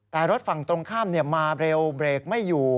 แต่รถฝั่งตรงข้ามมาเร็วเบรกไม่อยู่